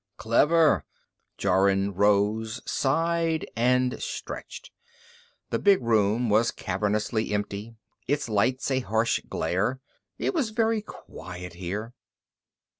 "Clever." Jorun rose, sighed, and stretched. The big room was cavernously empty, its lights a harsh glare. It was very quiet here.